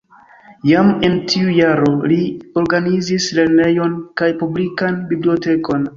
Jam en tiu jaro li organizis lernejon kaj publikan bibliotekon.